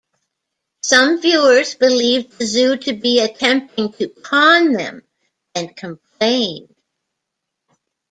Some viewers believed the zoo to be attempting to con them and complained.